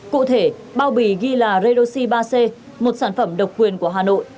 cụ thể bao bì ghi là redoxi ba c một sản phẩm độc quyền của hà nội